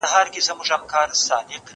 زه اوس لیکل کوم!؟